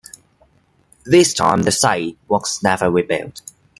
This time the site was never rebuilt.